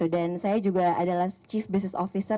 dan saya juga adalah chief business officer